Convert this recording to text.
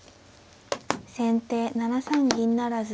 先手７三銀不成。